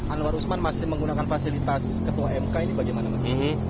anwar usman masih menggunakan fasilitas ketua mk ini bagaimana mas